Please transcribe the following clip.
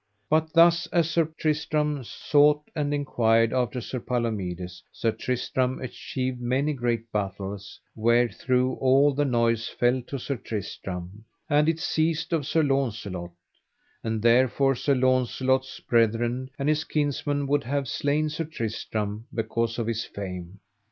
But thus as Sir Tristram sought and enquired after Sir Palomides Sir Tristram achieved many great battles, wherethrough all the noise fell to Sir Tristram, and it ceased of Sir Launcelot; and therefore Sir Launcelot's brethren and his kinsmen would have slain Sir Tristram because of his fame.